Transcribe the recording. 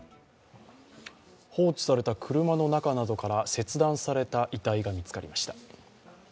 放置された車の中などから、切断された遺体が見つかりました。